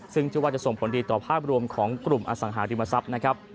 ซึ่งชื่อว่าจะส่งผลดีต่อภาพรวมของกลุ่มอสังหาริมทรัพย์นะครับ